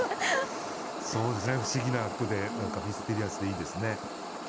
そうですね不思議な句で何かミステリアスでいいですね。